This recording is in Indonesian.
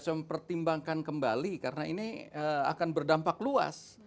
agar saya mempertimbangkan kembali karena ini akan berdampak luas